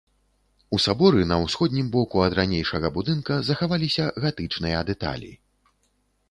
У саборы на ўсходнім боку ад ранейшага будынка захаваліся гатычныя дэталі.